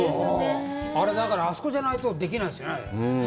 あれだから、あそこじゃないとできないですよね。